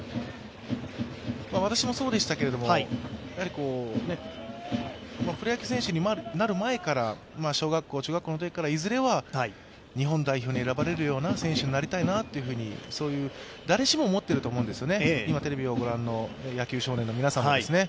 私もそうでしたけれども、プロ野球選手になる前から小学校、中学校のときから、いずれは日本代表に選ばれる選手になりたいなと誰しも思っていると思うんですね、今、テレビを御覧の野球少年の皆さんもね。